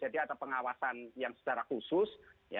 jadi ada pengawasan yang secara khusus